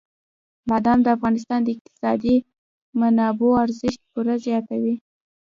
بادام د افغانستان د اقتصادي منابعو ارزښت پوره زیاتوي.